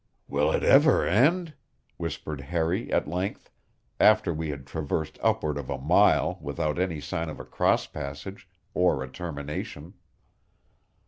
"Will it never end?" whispered Harry at length, after we had traversed upward of a mile without any sign of a cross passage or a termination.